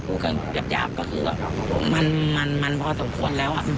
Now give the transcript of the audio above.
พูดแบบหยาบก็คืออ่ะมันมันมันพอสมควรแล้วอ่ะ